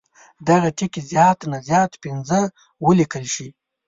دغه ټکي زیات نه زیات پنځه ولیکل شي.